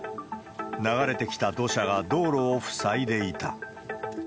流れてきた土砂が道路を塞いでいた。